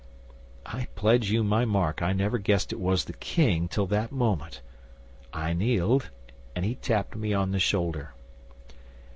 'I pledge you my Mark I never guessed it was the King till that moment. I kneeled, and he tapped me on the shoulder.